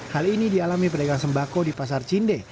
hal ini dialami pedagang sembako di pasar cinde